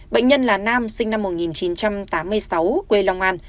bệnh nhân là nam sinh năm một nghìn chín trăm tám mươi sáu quê long an